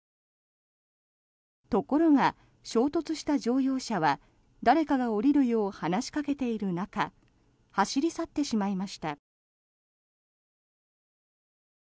ところが、衝突した乗用車は誰かが降りるよう話しかけている中走り去ってしまいました。